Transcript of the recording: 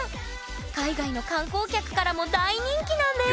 海外の観光客からも大人気なんです